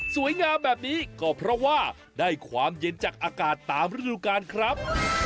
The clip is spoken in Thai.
สวยงามแบบนี้ก็เพราะว่าได้ความเย็นจากอากาศตามฤดูกาลครับ